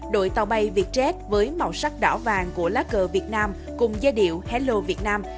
đội tàu bay vietjet với màu sắc đỏ vàng của lá cờ việt nam cùng giai điệu hello việt nam